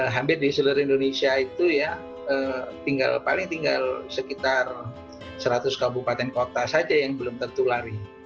hampir di seluruh indonesia itu ya paling tinggal sekitar seratus kabupaten kota saja yang belum tertulari